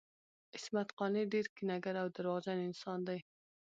عصمت قانع ډیر کینه ګر او درواغجن انسان دی